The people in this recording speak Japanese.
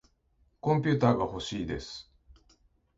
コンピューターがほしいです。